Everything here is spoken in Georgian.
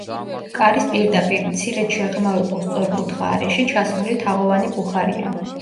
კარის პირდაპირ, მცირედ შეღრმავებულ სწორკუთხა არეში ჩასმული თაღოვანი ბუხარია.